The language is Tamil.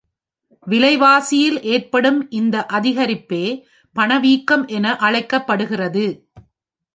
விலைவாசியில் ஏற்படும் இந்த அதிகரிப்பே பணவீக்கம் என அழைக்கப்படுகிறது.